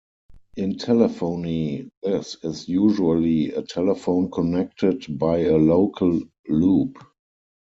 In telephony, this is usually a telephone connected by a local loop.